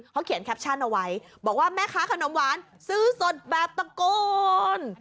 เขาเขียนแคปชั่นเอาไว้บอกว่าแม่ค้าขนมหวานซื้อสดแบบตะโกน